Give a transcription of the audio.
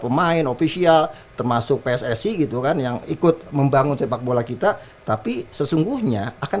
pemain ofisial termasuk pssi gitu kan yang ikut membangun sepak bola kita tapi sesungguhnya akan